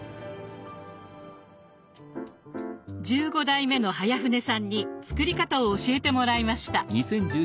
⁉１５代目の早船さんに作り方を教えてもらいました。